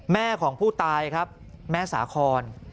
แม่ของผู้ตายครับแม่สาคอน